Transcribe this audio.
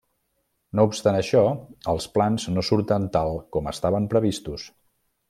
No obstant això, els plans no surten tal com estaven previstos.